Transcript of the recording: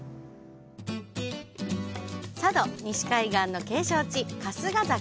佐渡、西海岸の景勝地春日崎。